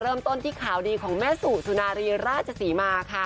เริ่มต้นที่ข่าวดีของแม่สุสุนารีราชศรีมาค่ะ